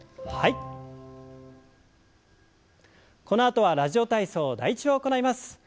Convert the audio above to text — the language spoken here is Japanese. このあとは「ラジオ体操第１」を行います。